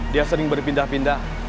dia sering berpindah pindah